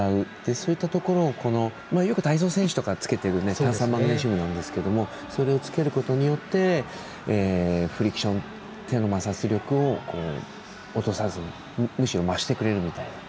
そういったところをよく体操選手とかつけている炭酸マグネシウムなんですけどそれをつけることによってフリクション、手の摩擦力を減らしてくれるみたいな